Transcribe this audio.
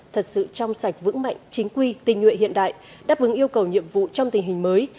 thật sự trong sạch vững mạnh chính quy tình nguyện hiện đại đáp ứng yêu cầu nhiệm vụ trong tình hình mới